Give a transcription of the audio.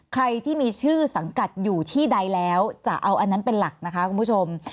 ใครที่มีชื่อสังกัดอยู่ที่ใดแล้วจะเอาอันนั้นเป็นหลักนะคะคุณผู้ชม